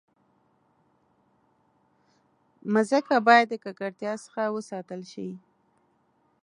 مځکه باید د ککړتیا څخه وساتل شي.